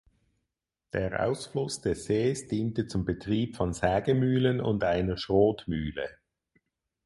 Der Ausfluss des Sees diente zum Betrieb von Sägemühlen und einer Schrotmühle.